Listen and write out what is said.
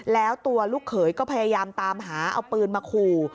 แล้วตัวลูกเขยก็พยายามตามหาเอาปืนมาขู่